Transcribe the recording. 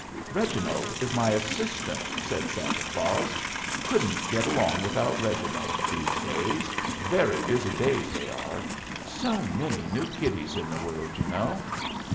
"Reginald is my assistant," said Santa Claus. "Couldn't get along without Reginald these days very busy days they are so many new kiddies in the world, you know.